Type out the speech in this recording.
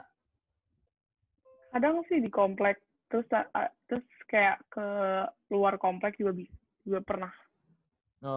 kadang sih di komplek terus kayak ke luar komplek juga pernah